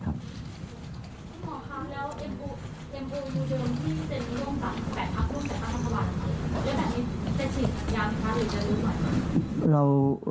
หรือแบบนี้จะฉีกยาพิทัศน์หรือเต็มนิยมกัน